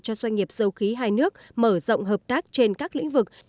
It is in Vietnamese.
cho doanh nghiệp dầu khí hai nước mở rộng hợp tác trên các lĩnh vực